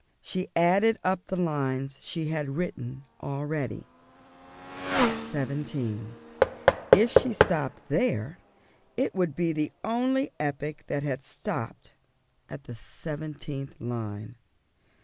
She added up the lines she had written already seventeen. If she stopped there, it would be the only epic that had stopped at the seventeenth line.